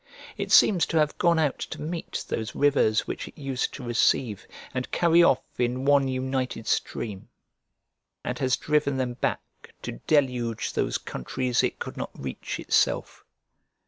It seems to have gone out to meet those rivers which it used to receive and carry off in one united stream, and has driven them back to deluge those countries it could not reach itself.